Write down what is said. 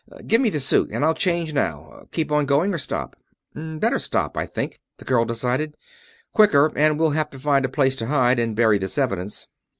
Give me the suit and I'll change now. Keep on going or stop?" "Better stop, I think," the girl decided. "Quicker, and we'll have to find a place to hide or bury this evidence."